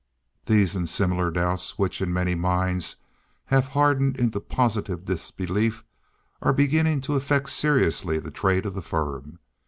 These and similar doubts which, in many minds, have hardened into positive disbelief, are beginning to affect seriously the trade of the firm.